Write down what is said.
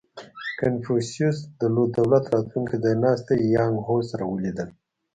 • کنفوسیوس د لو دولت راتلونکی ځایناستی یانګ هو سره ولیدل.